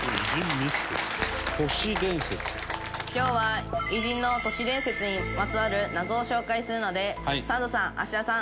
今日は偉人の都市伝説にまつわる謎を紹介するのでサンドさん芦田さん